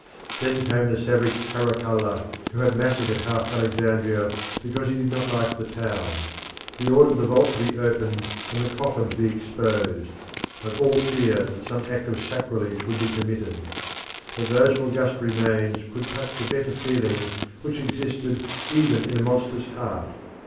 Then came the savage Caracalla, who had massacred half Alexandria because he did not like the town. He ordered the vault to be opened and the coffin to be exposed, and all feared that some act of sacrilege would be committed. But those august remains could touch the better feelings which existed even in a monster's heart.